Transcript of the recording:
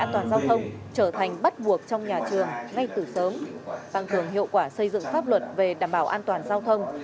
trở thành bắt buộc trong nhà trường ngay từ sớm bằng thường hiệu quả xây dựng pháp luật về đảm bảo an toàn giao thông